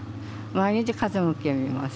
毎日風向きを見ます。